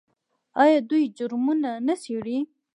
آیا دوی جرمونه نه څیړي؟